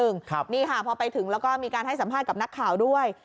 นี่ค่ะพอไปถึงแล้วก็มีการให้สัมภาษณ์กับนักข่าวด้วย